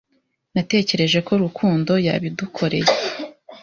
Natekereje ko Rukundo yabidukoreye.